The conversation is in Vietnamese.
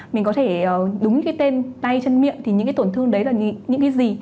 mình có thể đúng cái tên tay chân miệng thì những cái tổn thương đấy là những cái gì